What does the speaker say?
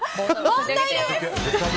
問題です！